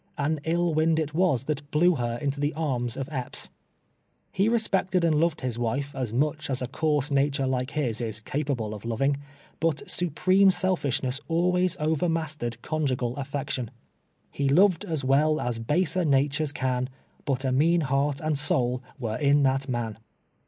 An ill wind it was that blew her into the arms of Epps. He respected and loved his wife as mnch as a coarse nature like his is capable of loving, but supreme sel fishness always overmastered conjngal affection. " He loved as well as baser natures can, But a mean heart and soul were in that man."